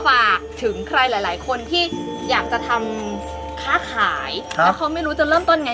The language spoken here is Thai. ฝากถึงใครหลายคนที่อยากจะทำค้าขายแล้วเขาไม่รู้จะเริ่มต้นไง